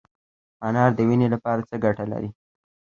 انار د وینې لپاره څه ګټه لري؟